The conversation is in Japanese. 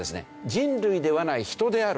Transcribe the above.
人類ではない人であるという。